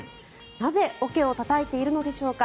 なぜ桶をたたいているのでしょうか。